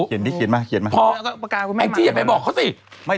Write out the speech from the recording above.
พอแองจี้อย่าไปบอกเขาสิ